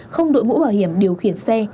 không đội mũ bảo hiểm điều khiển xe